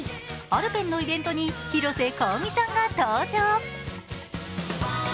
アルペンのイベントに広瀬香美さんが登場。